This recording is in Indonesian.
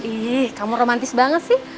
ih kamu romantis banget sih